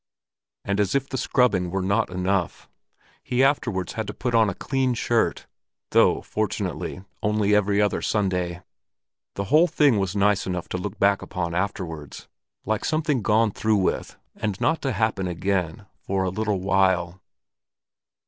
And as if the scrubbing were not enough, he afterwards had to put on a clean shirt—though, fortunately, only every other Sunday. The whole thing was nice enough to look back upon afterwards—like something gone through with, and not to happen again for a little while.